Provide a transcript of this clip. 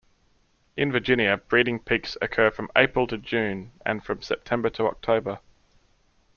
In Virginia breeding peaks occur from April to June and from September to October.